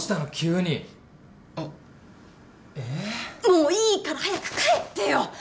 もういいから。早く帰ってよ。